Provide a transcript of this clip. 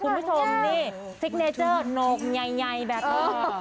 คุณผู้ชมนี่สิกเนเจอร์โน๊กไงแบตเตอร์